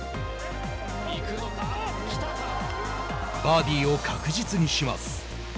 バーディーを確実にします。